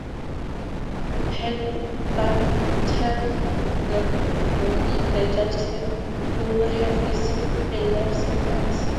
Had Badat not withdrawn, the judge said, he would have received a life sentence.